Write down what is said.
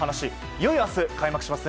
いよいよ明日開幕します